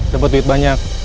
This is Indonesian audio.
dapet duit banyak